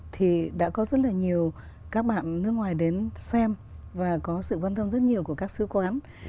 thì đã có rất là nhiều các bạn nước ngoài đến xem và có sự quan tâm rất nhiều của các sứ quán